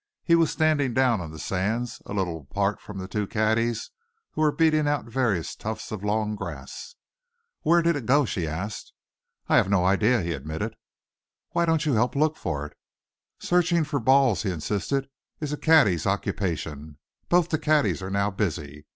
He was standing down on the sands, a little apart from the two caddies who were beating out various tufts of long grass. "Where did it go?" she asked. "I have no idea," he admitted. "Why don't you help look for it?" "Searching for balls," he insisted, "is a caddy's occupation. Both the caddies are now busy.